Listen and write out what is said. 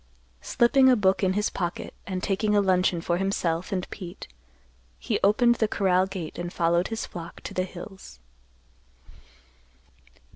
Slipping a book in his pocket, and taking a luncheon for himself and Pete he opened the corral gate and followed his flock to the hills.